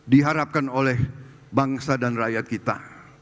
dan diharapkan oleh bangsa dan rakyat kita